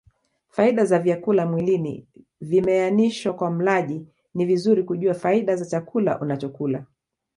Faida za vyakula mwilini vimeanishwa Kwa mlaji ni vizuri kujua faida za chakula unachokula